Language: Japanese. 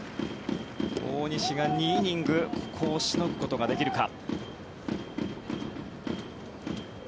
大西が２イニングここをしのぐことができるか。